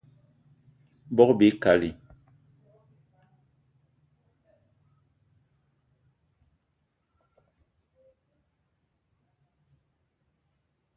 Bogb-ikali